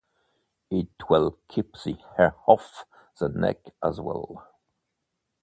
It will keep the hair off the neck as well.